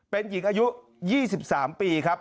เป็นอีกอายุ๒๓ปี